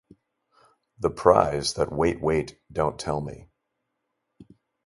The prize that Wait Wait... Don't Tell Me!